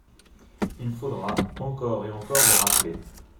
Il faudra, encore et encore, le rappeler.